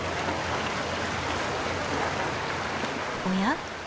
おや？